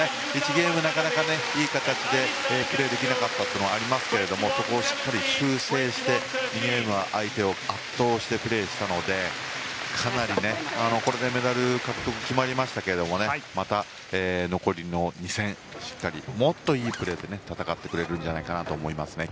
１ゲーム目はなかなかいい形でプレーができなかったのがありますがそこをしっかり修正して２ゲーム目は相手を圧倒してプレーしたのでこれでメダル獲得が決まりましたがまた、残りの２戦もっといいプレーで戦ってくれるんじゃないかなと思いますね。